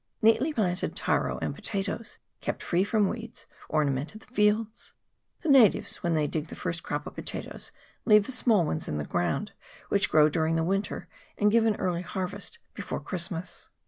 Neatly planted taro and po tatoes, kept free from weeds, ornamented the fields. The natives, when they dig the first crop of pota toes, leave the small ones in the ground, which grow during the winter, and give an early harvest before Christmas.